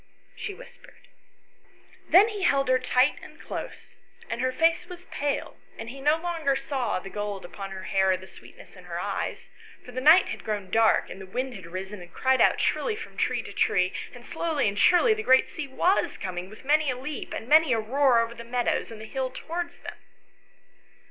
she whispered. Then he held her tight and close, and her face was pale, and he saw no longer the gold upon her hair or the sweetness in her eyes, for the night had grown dark and the wind had risen and cried out shrilly from tree to tree, and slowly and surely the great sea was coming with many a leap and many a roar over the meadows and over the hill towards them.